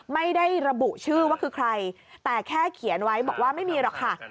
ไม่ได้ระบุชื่อว่าคือใครแต่แค่เขียนไว้บอกว่าไม่มีหรอกค่ะ